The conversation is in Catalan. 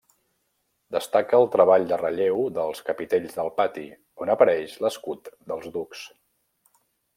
Destaca el treball de relleu dels capitells del pati on apareix l'escut dels ducs.